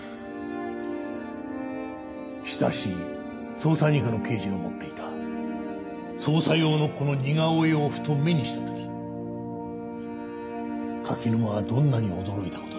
親しい捜査二課の刑事が持っていた捜査用のこの似顔絵をふと目にした時柿沼はどんなに驚いた事でしょう。